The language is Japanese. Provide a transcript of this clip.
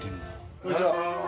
こんにちは。